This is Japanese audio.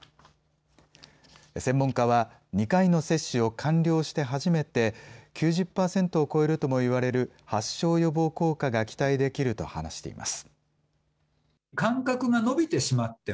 専門家は２回の接種を完了して初めて９０％を超えるとも言われる発症予防効果が期待できると話しています。